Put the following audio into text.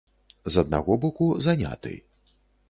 З аднаго боку, заняты.